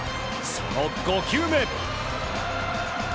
その５球目。